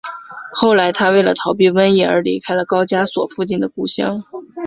后来他为了逃避瘟疫而离开了高加索附近的故乡。